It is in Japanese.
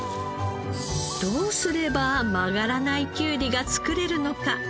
どうすれば曲がらないきゅうりが作れるのか。